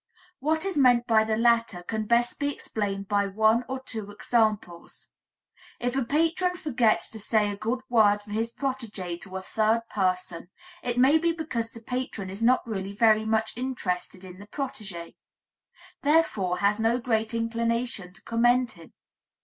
What is meant by the latter can best be explained by one or two examples. If a patron forgets to say a good word for his protegé to a third person, it may be because the patron is not really very much interested in the protegé, therefore, has no great inclination to commend him.